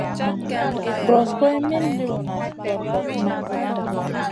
Guros guroyna min liwna zi torbokna.